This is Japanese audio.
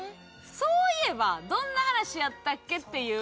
そういえばどんな話やったっけ？」っていう。